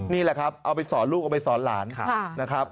นี่แหละครับเอาไปสอนลูกเอาไปสอนหลานนะครับ